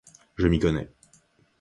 Je m’y connais.